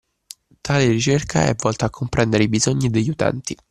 Tale ricerca è volta a comprendere i bisogni degli utenti.